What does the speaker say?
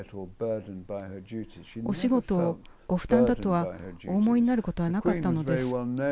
お仕事をご負担だとはお思いになることはなかったのです。